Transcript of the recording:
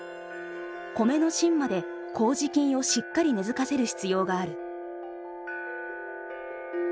米の芯まで麹菌をしっかり根づかせる必要がある。